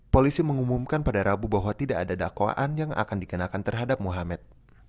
polisi mengumumkan pada rabu bahwa tidak ada dakwaan yang akan dikenakan terhadap muhammad